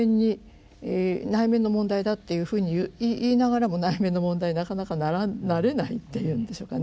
内面の問題だっていうふうに言いながらも内面の問題になかなかなれないっていうんでしょうかね。